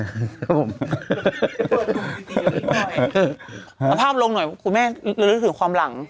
เอาภาพลงหน่อยคุณแม่ระลึกถึงความหลัง